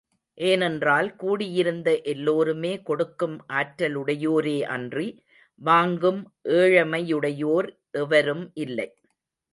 ஏனென்றால் கூடியிருந்த எல்லோருமே கொடுக்கும் ஆற்றலுடையோரே அன்றி, வாங்கும் ஏழைமையுடையோர் எவரும் இல்லை.